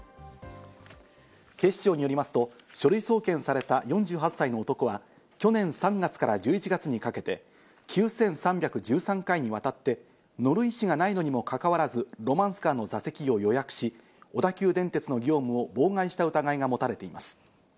警視庁によりますと書類送検された４８歳の男は、去年３月から１１月にかけて９３１３回にわたって、乗る意思がないのにもかかわらずロマンスカーの座席を予約し、小田急電鉄の業務を妨害した疑いが持たれています。